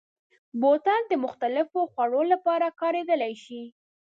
بوتل د مختلفو خوړو لپاره کارېدلی شي.